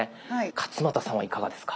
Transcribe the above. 勝俣さんはいかがですか？